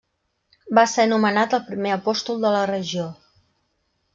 Va ser anomenat el primer apòstol de la regió.